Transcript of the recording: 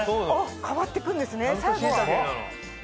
変わって行くんですね最後は。